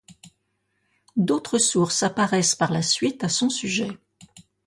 D’autres sources apparaissent par la suite à son sujet.